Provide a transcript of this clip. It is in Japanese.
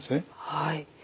はい。